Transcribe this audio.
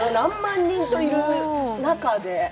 何万人という中で。